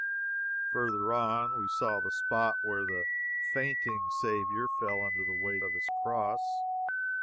Further on, we saw the spot where the fainting Saviour fell under the weight of his cross.